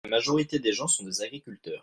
La majorité des gens sont des agriculteurs.